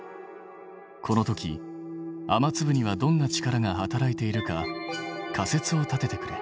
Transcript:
この時雨粒にはどんな力が働いているか仮説を立ててくれ。